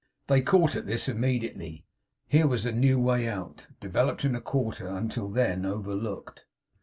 They caught at this immediately. Here was a new way out, developed in a quarter until then overlooked.